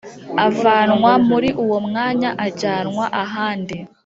avanwa muri uwo mwanya ajyanwa ahandi